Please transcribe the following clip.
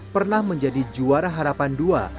pernah menjadi juara harapan dua